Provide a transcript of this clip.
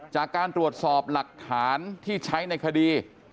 จากการตรวจสอบหลักฐานที่ใช้ในคดี